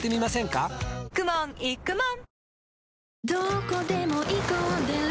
かくもんいくもん！